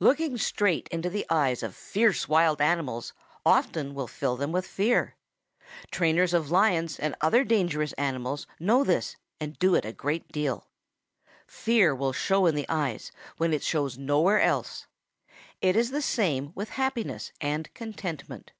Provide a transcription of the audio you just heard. Looking straight into the eyes of fierce wild animals often will fill them with fear. Trainers of lions and other dangerous animals know this and do it a great deal. Fear will show in the eyes when it shows nowhere else. It is the same with happiness and contentment.